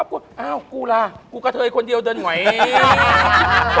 อ้าวกูลากูกับเธอคนเดียวเดินหงวะ